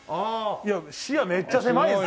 いや視野めっちゃ狭いです。